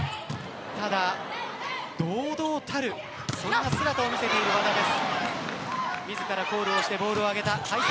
ただ、堂々たるそんな姿を見せている和田です。